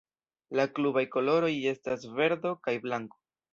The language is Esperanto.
La klubaj koloroj estas verdo kaj blanko.